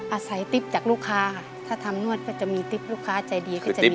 อาศัยติ๊บจากลูกค้าถ้าทำนวดก็จะมีติ๊บลูกค้าใจดีก็จะมีติ๊บ